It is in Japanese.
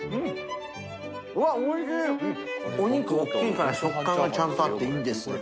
覆困筺お肉大きいから食感がちゃんとあっていいですね。